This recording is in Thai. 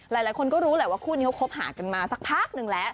หลายคนก็รู้แหละว่าคู่นี้เขาคบหากันมาสักพักหนึ่งแล้ว